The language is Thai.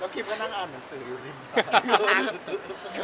แล้วคลิปก็นั่งอ่านหนังสือ